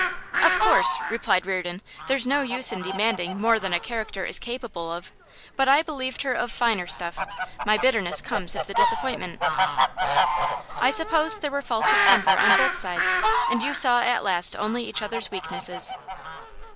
'Of course,' replied Reardon, 'there's no use in demanding more than a character is capable of. But I believed her of finer stuff. My bitterness comes of the disappointment.' 'I suppose there were faults of temper on both sides, and you saw at last only each other's weaknesses.